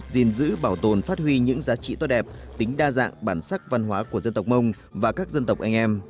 gìn giữ bảo tồn phát huy những giá trị tốt đẹp tính đa dạng bản sắc văn hóa của dân tộc mông và các dân tộc anh em